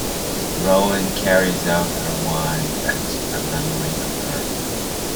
Roan carries out her wand as a memory of her.